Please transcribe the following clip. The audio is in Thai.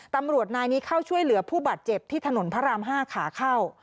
ตำรวจนายนี้เข้าช่วยเหลือผู้บาดเจ็บที่ถนนพระราม๕ขาเข้า